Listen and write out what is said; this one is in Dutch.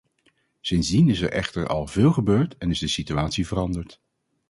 Sindsdien is er echter al veel gebeurd en is de situatie veranderd.